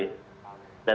dan mereka sangat senang